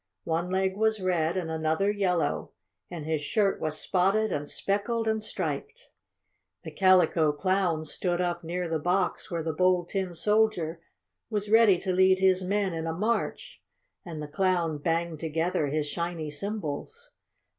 One leg was red and another yellow, and his shirt was spotted and speckled and striped. The Calico Clown stood up near the box where the Bold Tin Soldier was ready to lead his men in a march. And the Clown banged together his shiny cymbals.